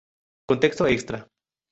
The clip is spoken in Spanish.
Contenido extra